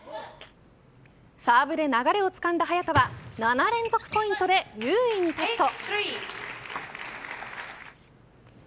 サーブで流れを掴んだ早田は７連続ポイントで優位に立つと。